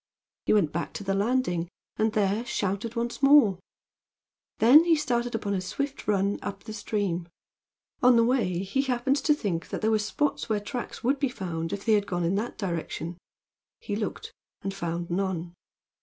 He went back to the landing, and there shouted once more. Then he started upon a swift run up the stream. On the way he happened to think that there were spots where tracks would be found if they had gone in that direction. He looked, and found none.